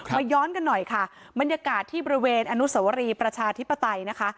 มาย้อนกันหน่อยค่ะบรรยากาศที่บริเวณอนุสวรีประชาธิปไตยนะคะ